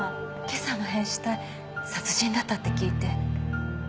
今朝の変死体殺人だったって聞いて。